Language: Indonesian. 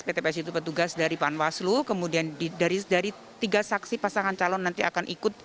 pt ps itu petugas yang akan menggunakan baju apd kemudian nanti akan datang ke rumah mereka membawa surat suara didampingi oleh pt ps